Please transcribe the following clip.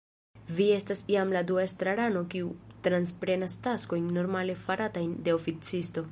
Vi estas jam la dua estrarano, kiu transprenas taskojn normale faratajn de oficisto.